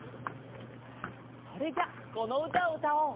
それじゃこのうたをうたおう！